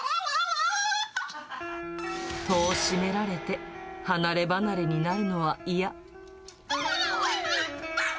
戸を閉められて、離れ離れになるのは嫌。